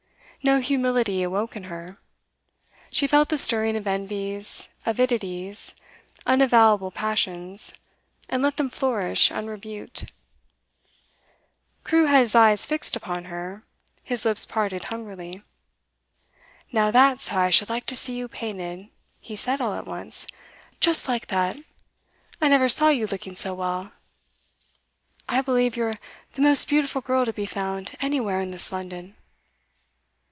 No humility awoke in her; she felt the stirring of envies, avidities, unavowable passions, and let them flourish unrebuked. Crewe had his eyes fixed upon her; his lips parted hungrily. 'Now that's how I should like to see you painted,' he said all at once. 'Just like that! I never saw you looking so well. I believe you're the most beautiful girl to be found anywhere in this London!